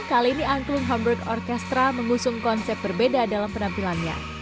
kali ini angklung hamburg orkestra mengusung konsep berbeda dalam penampilannya